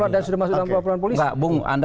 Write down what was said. dan sudah masuk dalam kelompok polisi